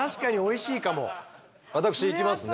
私いきますね。